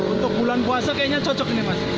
untuk bulan puasa kayaknya cocok ini mas